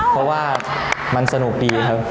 เพราะว่ามันสนุกดีครับ